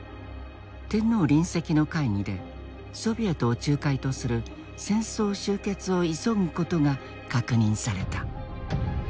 天皇臨席の会議でソビエトを仲介とする戦争終結を急ぐことが確認された。